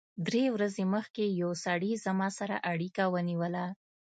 درې ورځې مخکې یو سړي زما سره اړیکه ونیوله